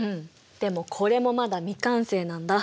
でもこれもまだ未完成なんだ。